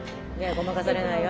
ごまかされないよ。